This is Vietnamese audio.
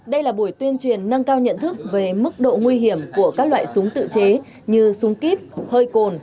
đây là buổi tuyên truyền nâng cao nhận thức về mức độ nguy hiểm của các loại súng tự chế như súng kíp hơi cồn